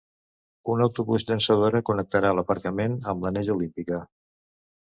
Un autobús llançadora connectarà l’aparcament amb l’anella olímpica.